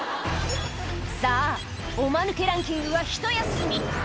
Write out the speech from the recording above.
さぁおマヌケランキングはひと休み